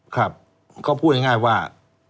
เขาพูดง่ายว่า